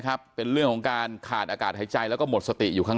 ครับเป็นเรื่องของการขาดอากาศหายใจแล้วก็หมดสติอยู่ข้าง